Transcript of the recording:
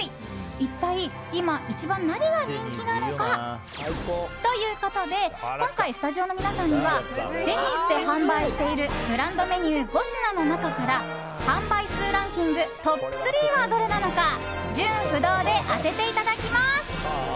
一体、今一番何が人気なのか。ということで今回、スタジオの皆さんにはデニーズで販売しているグランドメニュー５品の中から販売数ランキングトップ３はどれなのか順不同で当てていただきます。